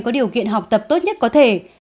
có điều kiện học tập tốt nhất có thể